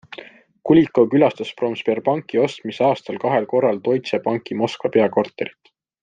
Kulikov külastas Promsberbanki ostmise aastal kahel korral Deutsche Banki Moskva peakontorit.